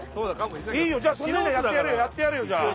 いよじゃあやってやるよやってやるよじゃあ。